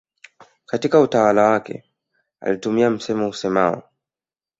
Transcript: Katika utawala wake alitumia msemo useamao